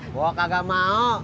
gue kagak mau